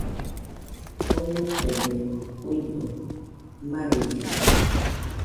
Onokobe kuido, marellena